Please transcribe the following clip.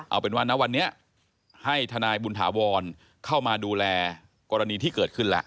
เอาเป็นว่าณวันนี้ให้ทนายบุญถาวรเข้ามาดูแลกรณีที่เกิดขึ้นแล้ว